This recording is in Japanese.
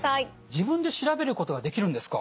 自分で調べることができるんですか？